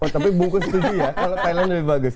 tapi bungkus setuju ya kalau thailand lebih bagus